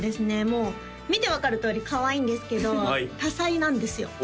もう見て分かるとおりかわいいんですけど多才なんですよ